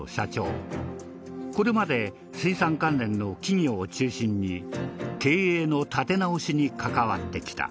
これまで水産関連の企業を中心に経営の立て直しに関わってきた。